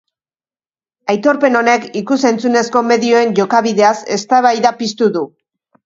Aitorpen honek ikus-entzunezko medioen jokabideaz eztabaida piztu du.